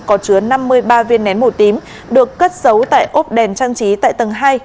có chứa năm mươi ba viên nén màu tím được cất giấu tại ốp đèn trang trí tại tầng hai